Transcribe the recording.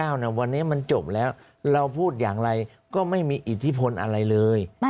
วันนี้มันจบแล้วเราพูดอย่างไรก็ไม่มีอิทธิพลอะไรเลย